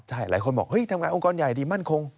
ใช่หลายคนบอกเฮ้ยทำงานองค์กรใหญ่ดีมั่นคง